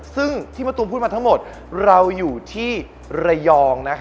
ซึ่งที่มะตูมพูดมาทั้งหมดเราอยู่ที่ระยอง